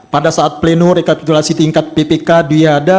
pada saat pleno rekapitulasi tingkat ppk diada